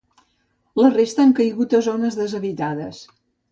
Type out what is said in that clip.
La resta han caigut a zones deshabitades.